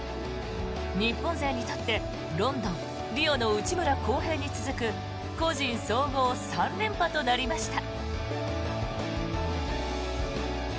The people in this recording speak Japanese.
日本勢にとってロンドン、リオの内村航平に続く個人総合３連覇となりました。